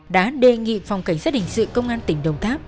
đã đề nghị phòng cảnh sát hình sự công an tỉnh đồng tháp